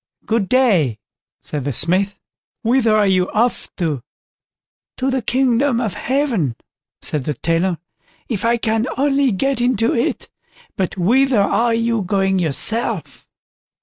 "Good day", said the Smith; "whither are you off to?" "To the kingdom of Heaven", said the Tailor, "if I can only get into it"—"but whither are you going yourself?"